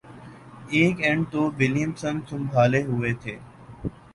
ایک اینڈ تو ولیمسن سنبھالے ہوئے تھے